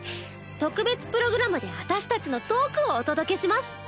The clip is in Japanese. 特別プログラムで私たちのトークをお届けします。